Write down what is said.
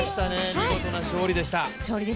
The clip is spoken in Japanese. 見事な勝利でした。